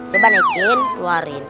coba nekin keluarin